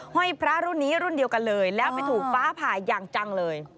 ห้อยพระรุ่นนี้รุ่นเดียวกันเลยแล้วไปถูกฟ้าผ่าอย่างจังเลย